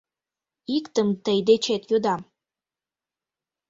Иктым тый дечет йодам.